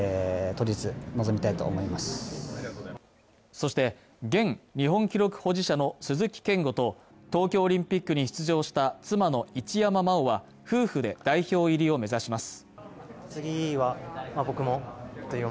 そして、現日本記録保持者の鈴木健吾と東京オリンピックに出場した妻の一山麻緒は夫婦で代表入りを目指します。